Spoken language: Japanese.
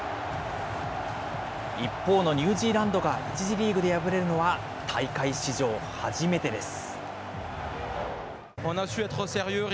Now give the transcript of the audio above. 一方のニュージーランドが１次リーグで敗れるのは、大会史上初めてです。